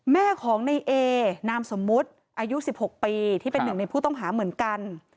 แม่ของในเอนามสมมุติอายุ๑๖ปีที่เป็นหนึ่งในผู้ต้องหาเหมือนกัน